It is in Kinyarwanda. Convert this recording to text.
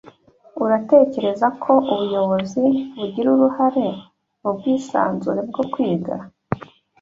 Uratekereza ko ubuyobozi bugira uruhare mubwisanzure bwo kwiga